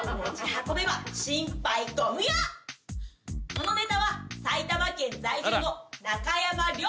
このネタは埼玉県在住の中山椋